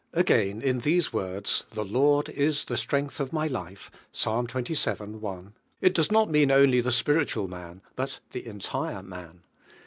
Again in these words: "The Lord is the strength of my life" {Ps, xxvii. 1), it does not mean only the spiritual man but Ihe entire man.